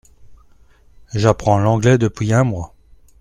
J’apprends l’anglais depuis un mois.